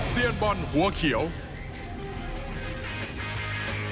เซียนบอลหัวเขียว